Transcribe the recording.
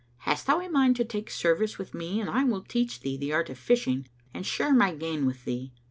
Hast thou a mind to take service with me and I will teach thee the art of fishing and share my gain with thee?